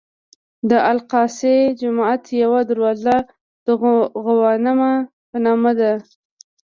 د الاقصی جومات یوه دروازه د غوانمه په نوم ده.